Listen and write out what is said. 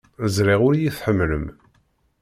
Ẓriɣ ur iyi-tḥemmlem.